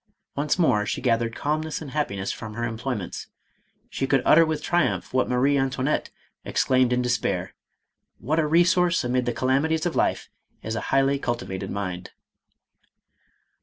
. Once more she gathered calmness and happiness from her employ ments. She could utter with triumph what Marie Antoinette exclaimed in despair, "What a resource, amid the calamities of life, is a highly cultivated mind!"